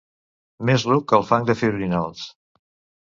Més ruc que el fang de fer orinals.